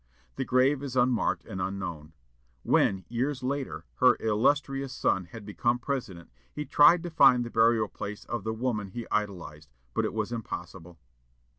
The grave is unmarked and unknown. When, years later, her illustrious son had become President, he tried to find the burial place of the woman he idolized, but it was impossible.